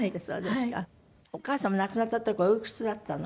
亡くなった時おいくつだったの？